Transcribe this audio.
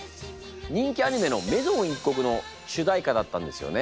人気アニメの「めぞん一刻」の主題歌だったんですよね。